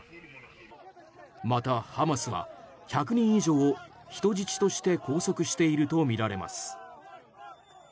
またハマスは１００人以上を人質として拘束しているとみられます。